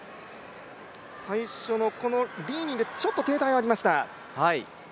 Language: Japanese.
最初のリー・ニンでちょっと停滞がありました。